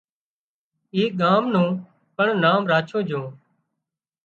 اي ڳام نُون پڻ نام راڇوُن جھون